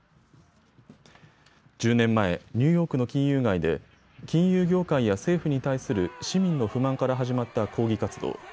１０年前、ニューヨークの金融街で金融業界や政府に対する市民の不満から始まった抗議活動。